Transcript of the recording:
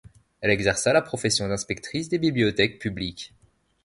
Elle exerça la profession d'inspectrice des bibliothèques publiques.